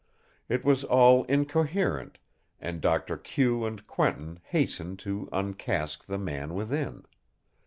It was all incoherent and Doctor Q and Quentin hastened to uncasque the man within.